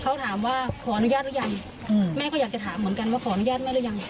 เขาถามว่าขออนุญาตหรือยังแม่ก็อยากจะถามเหมือนกันว่าขออนุญาตแม่หรือยัง